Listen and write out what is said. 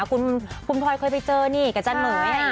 คุณพลอยเคยไปเจอนี่กับจานเหม๋ยนะ